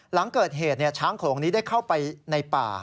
หลังเกิดเหตุช้างโลงนี้ได้เข้าไปในป่า